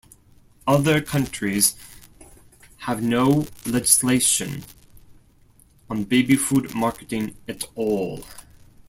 Other countries have no legislation on baby food marketing at all.